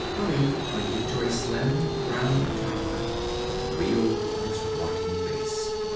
Bêlit pointed to a slim round tower that reeled on its rotting base.